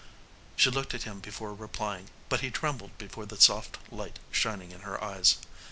She looked at him before replying, but he trembled before the soft light shining in her eyes.